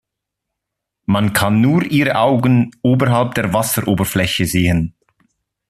Man kann nur ihre Augen oberhalb der Wasseroberfläche sehen.